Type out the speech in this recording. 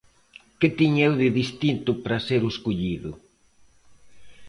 ¿Que tiña eu de distinto para ser o escollido?